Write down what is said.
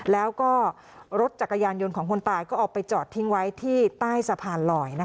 แล้วก็รถจักรยานยนต์ของคนตายก็เอาไปจอดทิ้งไว้ที่ใต้สะพานลอย